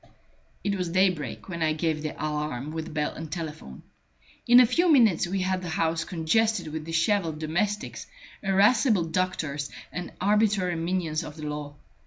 It was daybreak when I gave the alarm with bell and telephone. In a few minutes we had the house congested with dishevelled domestics, irascible doctors, and arbitrary minions of the law.